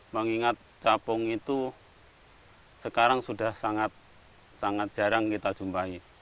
mengingat capung itu sekarang sudah sangat jarang kita jumpai